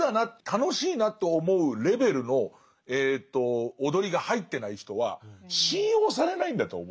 「楽しいな」と思うレベルの踊りが入ってない人は信用されないんだと思うんです。